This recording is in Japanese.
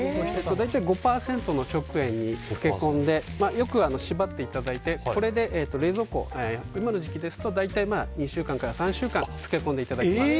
大体５％の食塩に漬け込んでよく縛っていただいてこれで冷蔵庫に今の時期ですと大体２週間から３週間漬けこんでいただきます。